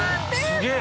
すげえ！